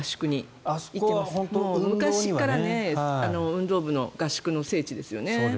昔から運動部の合宿の聖地ですよね。